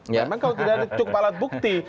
memang kalau tidak ada cukup alat bukti